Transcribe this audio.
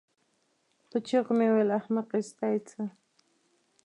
په چيغو مې وویل: احمقې ستا یې څه؟